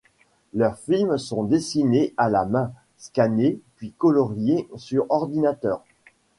Leurs films sont dessinés à la main, scannés, puis colorié sur ordinateur.